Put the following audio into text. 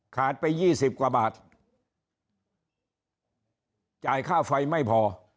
ไปยี่สิบกว่าบาทจ่ายค่าไฟไม่พอ